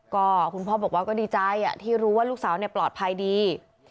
ก็คุณพ่อบอกว่าก็ดีใจที่รู้ว่าลูกสาวปลอดภัยดี